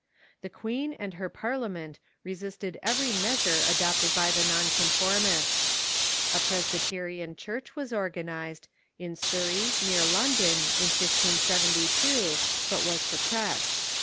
The queen and her Parliament resisted every measure adopted by the Non conformists. A Presbyterian Church was oiganized, in Surrey, near London, in 1572, but was suppressed.